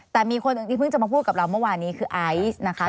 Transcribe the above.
แต่มีคนหนึ่งที่เพิ่งจะมาพูดกับเราเมื่อวานนี้คือไอซ์นะคะ